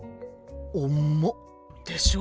重っ。でしょ？